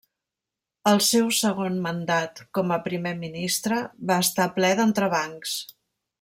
El seu segon mandat com a Primer Ministre va estar ple d'entrebancs.